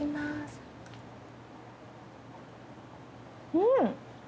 うん！